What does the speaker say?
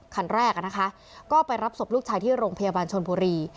คันแรกนะคะก็ไปรับศพลูกชายที่โรงพยาบาลชนบุรี